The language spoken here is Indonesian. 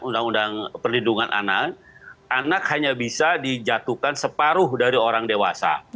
undang undang perlindungan anak anak hanya bisa dijatuhkan separuh dari orang dewasa